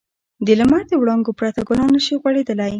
د لمر د وړانګو پرته ګلان نه شي غوړېدلی.